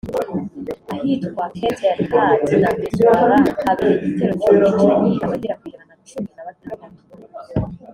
ahitwa Oued El-Had na Mezouara habereye igitero cy’ubwicanyi abagera ku ijana na cumi na batandatu